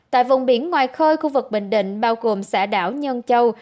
tại vùng biển ngoài khơi khu vực bình định bao gồm xã đảo nhân châu